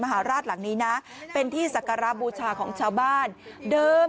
มหาราชหลังนี้นะเป็นที่ศักระบูชาของชาวบ้านเดิม